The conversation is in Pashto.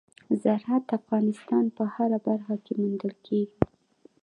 زراعت د افغانستان په هره برخه کې موندل کېږي.